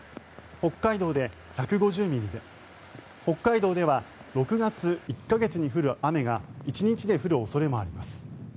北海道で１５０ミリで北海道では６月１か月に降る雨が１日で降る恐れもあります。